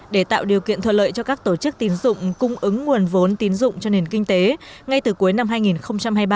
để tạo điều kiện thuận lợi cho các tổ chức tín dụng cung ứng nguồn vốn tín dụng cho nền kinh tế ngay từ cuối năm hai nghìn hai mươi ba